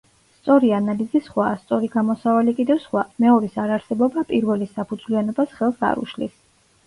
სწორი ანალიზი სხვაა, სწორი გამოსავალი კიდევ სხვა, მეორის არარსებობა პირველის საფუძვლიანობას ხელს არ უშლის